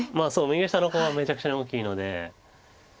右下のコウはめちゃくちゃに大きいので。